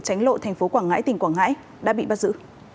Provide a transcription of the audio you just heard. tránh lộ tp quảng ngãi tỉnh quảng ngãi đã bị bắt giữ